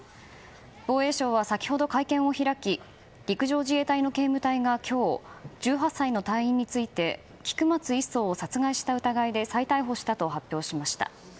防衛省は先ほど会見を開き陸上自衛隊の警務隊が今日１８歳の隊員について菊松１曹を殺害した疑いで再逮捕したと発表しました。